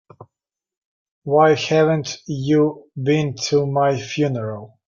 Why haven't you been to my funeral?